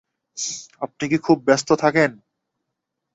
আপনিও কী খুব ব্যস্ত থাকেন?